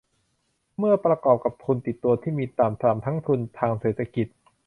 เมื่อประกอบกับทุนติดตัวที่มีต่ำ ต่ำทั้งทุนทางเศรษฐกิจ